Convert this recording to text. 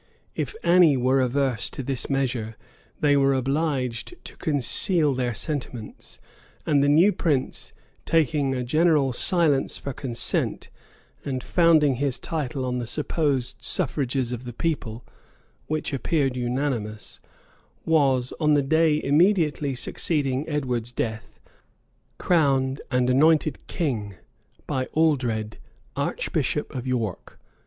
[*] If any were averse to this measure, they were obliged to conceal their sentiments; and the new prince, taking a general silence for consent, and founding his title on the supposed suffrages of the people, which appeared unanimous, was, on the day immediately succeeding Edward's death, crowned and anointed king, by Aldred, archbishop of York.